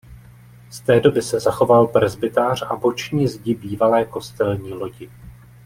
Z té doby se zachoval presbytář a boční zdi bývalé kostelní lodi.